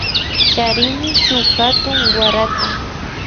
Charini shuk hatun warata